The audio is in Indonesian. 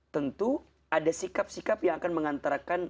tentu ada sikap sikap yang akan mengantarkan